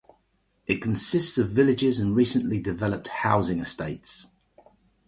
It consists of villages and recently developed housing estates.